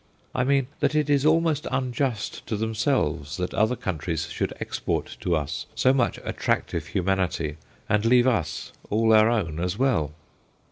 I mean, that it is almost unjust to themselves that other countries should export to us so much attractive humanity and leave us all our own as well.